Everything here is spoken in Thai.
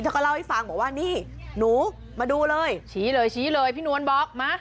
ก็เล่าให้ฟังบอกว่านี่หนูมาดูเลยชี้เลยชี้เลยพี่นวลบอกมา